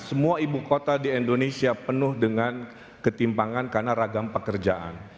semua ibu kota di indonesia penuh dengan ketimpangan karena ragam pekerjaan